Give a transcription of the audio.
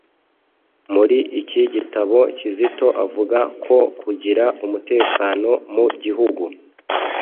Muri iki gitabo, Kizito avuga ko kugira umutekano mu gihugu